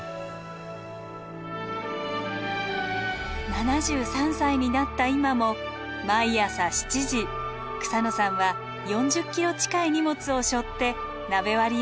７３歳になった今も毎朝７時草野さんは４０ｋｇ近い荷物を背負って鍋割山を登ります。